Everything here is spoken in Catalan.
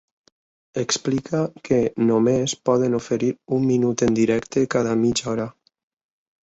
Explica que només poden oferir un minut en directe cada mitja hora.